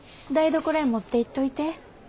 台所へ持っていっといて。